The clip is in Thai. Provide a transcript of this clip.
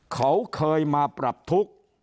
เขาเคยมาปรับทุกข์